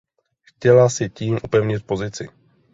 Chtěla si tím upevnit pozici.